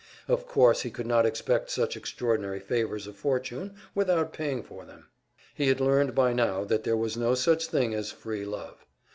Of course he could not expect such extraordinary favors of fortune without paying for them; he had learned by now that there was no such thing as "free love."